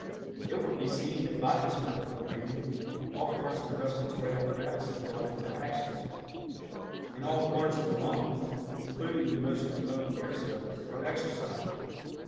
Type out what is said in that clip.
It will be seen that by this method of breathing all parts of the respiratory apparatus is brought into action, and all parts of the lungs, including the most remote air cells, are exercised.